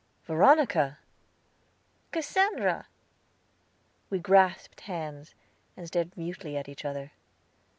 "Veronica!" "Cassandra!" We grasped hands, and stared mutely at each other.